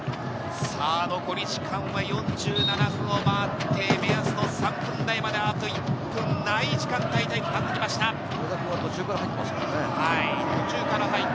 残り時間は４７分を回って、目安の３分台まであと１分ない時間帯となってきました。